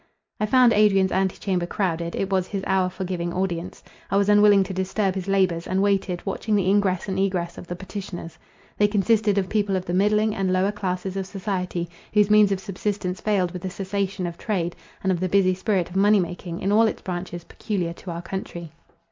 I found Adrian's anti chamber crowded—it was his hour for giving audience. I was unwilling to disturb his labours, and waited, watching the ingress and egress of the petitioners. They consisted of people of the middling and lower classes of society, whose means of subsistence failed with the cessation of trade, and of the busy spirit of money making in all its branches, peculiar to our country.